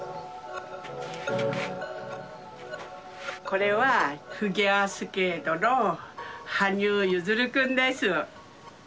これはフィギュアスケートの羽生結弦君です。